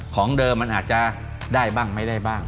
ของเดิมมันอาจจะได้บ้างไม่ได้บ้าง